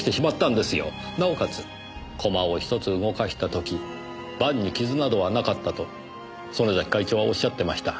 なおかつ駒を１つ動かした時盤に傷などはなかったと曾根崎会長はおっしゃってました。